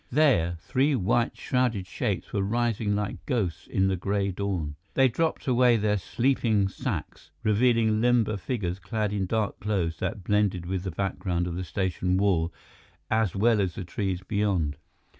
There, three white shrouded shapes were rising like ghosts in the gray dawn. They dropped away their sleeping sacks, revealing limber figures clad in dark clothes that blended with the background of the station wall, as well as the trees beyond.